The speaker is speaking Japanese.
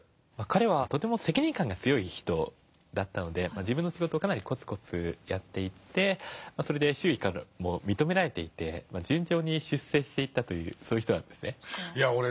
彼はとても責任感が強い人だったので自分の仕事をかなりコツコツやっていてそれで周囲からも認められていて順調に出世していったというそういう人なんですね。